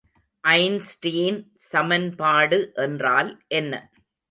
Einstein சமன்பாடு என்றால் என்ன?